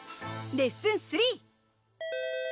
レッスン３！